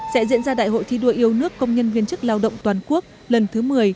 sẽ diễn ra đại hội thi đua yêu nước công nhân viên chức lao động toàn quốc lần thứ một mươi